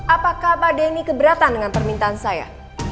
apakah pak denny keberatan dengan permintaan saya